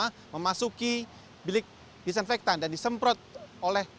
karena memasuki bilik disinfektan dan disemprot oleh